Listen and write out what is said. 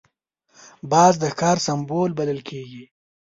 باز د ښکار سمبول بلل کېږي